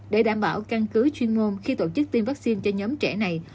để đảm bảo căn cứ chuyên môn khi tổ chức tiêm vaccine cho nhóm trẻ này